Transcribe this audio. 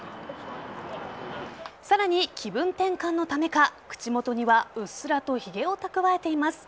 さらに、気分転換のためか口元にはうっすらとひげを蓄えています。